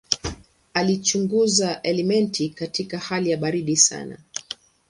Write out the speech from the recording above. Alichunguza elementi katika hali ya baridi sana.